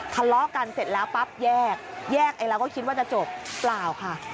ทะเลาะกันเสร็จแล้วปั๊บแยกแยกแล้วก็คิดว่าจะจบเปล่าค่ะ